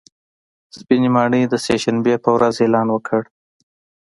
سپینې ماڼۍ د سې شنبې په ورځ اعلان وکړ